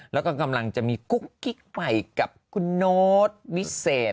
แล้วก็กำลังจะมีกุ๊กกิ๊กใหม่กับคุณโน๊ตวิเศษ